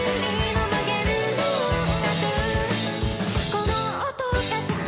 「この音が好き」